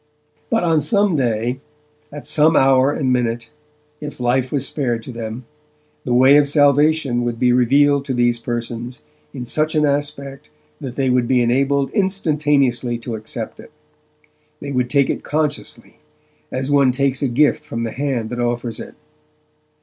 But on some day, at some hour and minute, if life was spared to them, the way of salvation would be revealed to these persons in such an aspect that they would be enabled instantaneously to accept it. They would take it consciously, as one takes a gift from the hand that offers it.